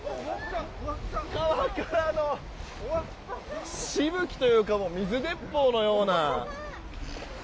川からのしぶきというか水鉄砲のような。